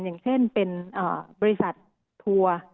อย่างเช่นเป็นบริษัททัวร์